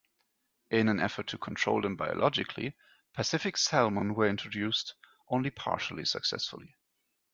In an effort to control them biologically Pacific salmon were introduced, only partially successfully.